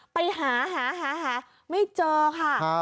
ไปหาหาไม่เจอค่ะ